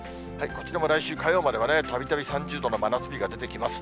こちらも来週火曜まではね、たびたび３０度の真夏日が出てきます。